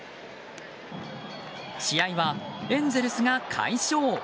試合は、エンゼルスが快勝。